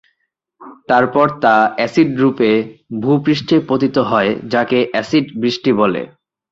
তারপর তা এসিডরূপে ভূপৃষ্ঠে পতিত হয় যাকে এসিড বৃষ্টি বলে।